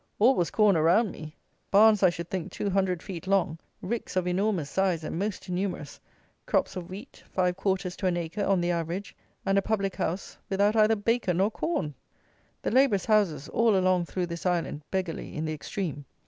All was corn around me. Barns, I should think, two hundred feet long; ricks of enormous size and most numerous; crops of wheat, five quarters to an acre, on the average; and a public house without either bacon or corn! The labourers' houses, all along through this island, beggarly in the extreme.